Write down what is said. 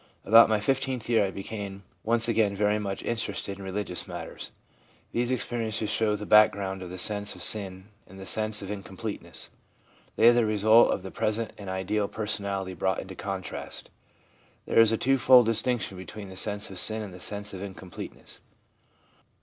About my fifteenth year I became once again very much interested in religious matters/ These experiences show the back ground of the sense of sin and the sense of incomplete ness ; they are the result of the present and ideal personality brought into contrast. There is a two fold distinction between the sense of sin and the sense of incompleteness.